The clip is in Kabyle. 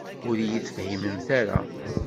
Ur iyi-tefhimemt ara.